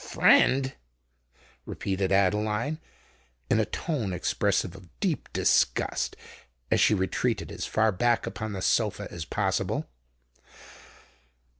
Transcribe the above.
"Friend!" repeated Adeline, in a tone expressive of deep disgust, as she retreated as far back upon the sofa as possible.